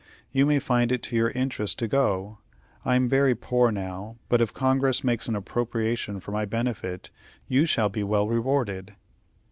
You may find it to your interest to go. I am very poor now, but if Congress makes an appropriation for my benefit, you shall be well rewarded."